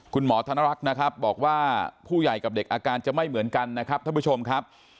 คุณหมอธนรักษ์นะครับบอกว่าผู้ใหญ่กับเด็กอาการจะไม่เหมือนกันนะครับท่านผู้ชมครับ